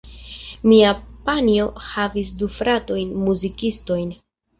Mia panjo havis du fratojn muzikistojn.